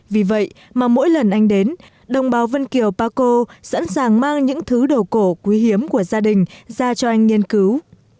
vì vậy mà mỗi lần anh đến đồng bào vân kiều paco sẵn sàng mang những thứ đồ cổ quý hiếm của gia đình ra cho anh nghiên cứu